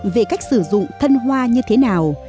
về cách sử dụng thân hoa như thế nào